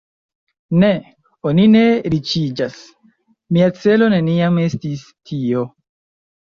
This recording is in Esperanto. Ne, oni ne riĉiĝas … Mia celo neniam estis tio.